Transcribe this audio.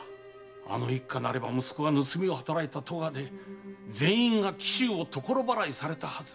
あの一家なれば息子が盗みをはたらいた咎で全員が紀州を所払いされたはず。